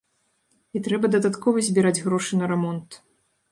І трэба дадаткова збіраць грошы на рамонт.